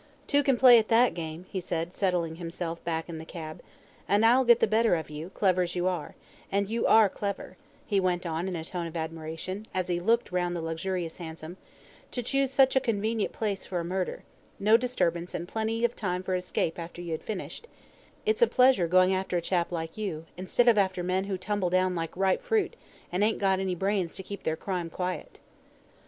"Two can play at that game," he said, settling himself back in the cab, "and I'll get the better of you, clever as you are and you are clever," he went on in a tone of admiration, as he looked round the luxurious hansom, "to choose such a convenient place for a murder; no disturbance and plenty of time for escape after you had finished; it's a pleasure going after a chap like you, instead of after men who tumble down like ripe fruit, and ain't got any brains to keep their crime quiet."